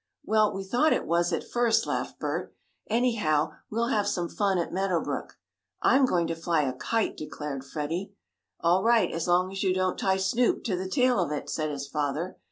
"Well, we thought it was at first," laughed Bert. "Anyhow we'll have some fun at Meadow Brook." "I'm going to fly a kite!" declared Freddie. "All right, as long as you don't tie Snoop to the tail of it," said his father.